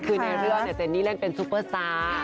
คือในเรื่องจันนี่เล่นเป็นซูเปอร์สตาร์